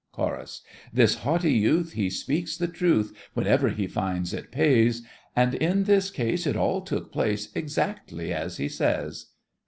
CHORUS. This haughty youth, He speaks the truth Whenever he finds it pays: And in this case It all took place Exactly as he says!